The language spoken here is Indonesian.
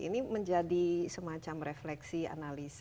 ini menjadi semacam refleksi analisa